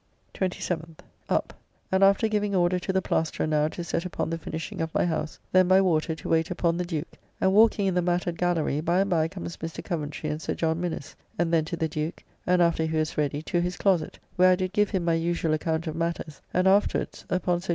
27th. Up, and after giving order to the plasterer now to set upon the finishing of my house, then by water to wait upon the Duke, and walking in the matted Gallery, by and by comes Mr. Coventry and Sir John Minnes, and then to the Duke, and after he was ready, to his closet, where I did give him my usual account of matters, and afterwards, upon Sir J.